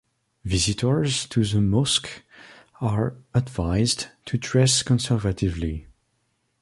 Visitors to the mosque are advised to dress conservatively.